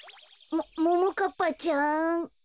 もももかっぱちゃん？